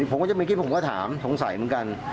ผมว่าจะไม่คิดผมก็ถามสงสัยเหมือนกัน